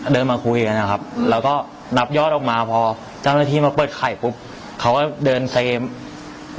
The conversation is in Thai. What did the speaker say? เดินมาคุยกันนะครับแล้วก็นับยอดออกมาพอเจ้าหน้าที่มาเปิดไข่ปุ๊บเขาก็เดินเซฟ